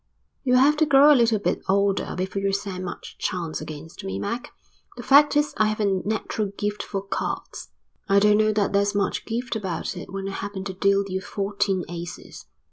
"You'll have to grow a little bit older before you stand much chance against me, Mac. The fact is I have a natural gift for cards." "I don't know that there's much gift about it when I happen to deal you fourteen aces."